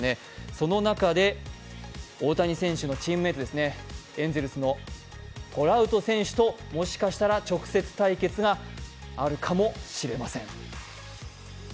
その中で、大谷選手のチームメートですね、エンゼルスのトラウト選手ともしかしたら直接対決があるかもしれません。